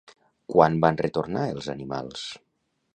Quan van retornar els animals?